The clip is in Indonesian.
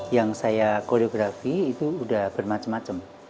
yang saya koreografi itu sudah bermacam macam